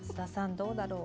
どうだろう？